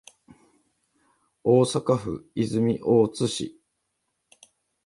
大阪府泉大津市